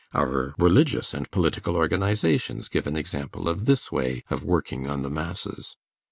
Our religious and political organizations give an example of this way of working on the masses.